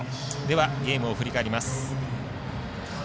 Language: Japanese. ではゲームを振り返ります。